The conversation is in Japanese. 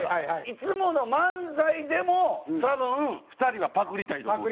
いつもの漫才でも多分２人はパクりたいと思う。